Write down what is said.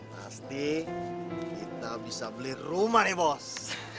pasti kita bisa beli rumah nih bos